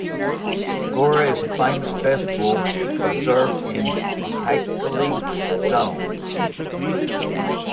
Gora is a famous festival observed in Mahakali Zone.